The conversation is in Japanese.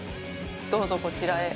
どうぞこちらへ。